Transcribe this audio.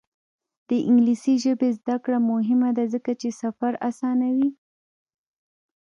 د انګلیسي ژبې زده کړه مهمه ده ځکه چې سفر اسانوي.